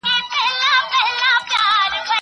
لويه جرګه د بهرنيو يرغلونو په وړاندې دريږي.